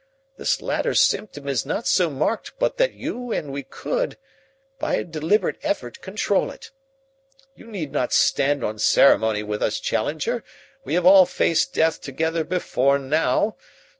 This latter symptom is not so marked but that you and we could, by a deliberate effort, control it. You need not stand on ceremony with us, Challenger. We have all faced death together before now.